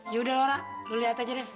yaudah lora lu lihat aja deh